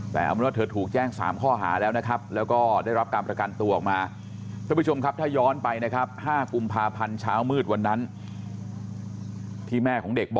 แต่เอาเป็นว่าเธอถูกแจ้ง๓ข้อหาแล้วนะครับแล้วก็ได้รับการประกันตัวออกมา